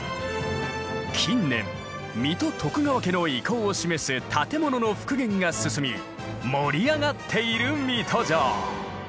近年水戸徳川家の威光を示す建物の復元が進み盛り上がっている水戸城。